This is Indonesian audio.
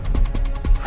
tante itu sudah berubah